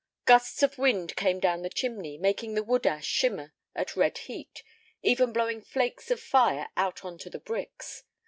Gusts of wind came down the chimney, making the wood ash shimmer at red heat, even blowing flakes of fire out on to the bricks.